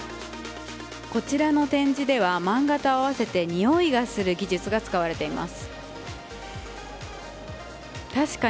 こちらの展示では、漫画と合わせてにおいがする技術が使われています。